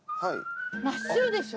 真っ白でしょ。